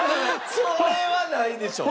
それはないでしょ。